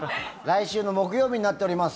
来週の木曜日になっております。